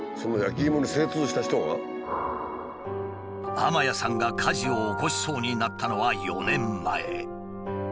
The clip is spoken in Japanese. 天谷さんが火事を起こしそうになったのは４年前。